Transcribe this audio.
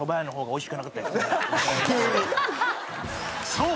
［そう。